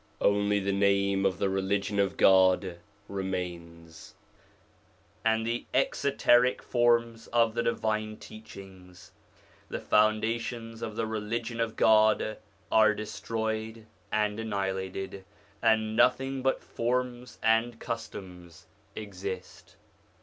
Only the name of the Religion of God remains, and the exoteric forms of the divine teachings. The foundations of the Religion of God are destroyed and annihilated, and 86 SOME ANSWERED QUESTIONS nothing but forms and customs exist.